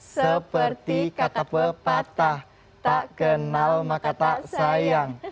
seperti kata pepatah tak kenal maka tak sayang